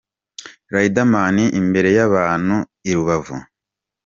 Riderman imbere y'abantu be i Rubavu.